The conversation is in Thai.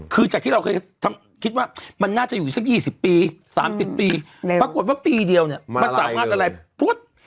คือจากที่เราเคยคิดว่ามันน่าจะอยู่สัก๒๐ปี๓๐ปีปรากฏว่าปีเดียวมันสามารถละลาย